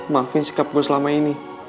maafin sikap gue selama ini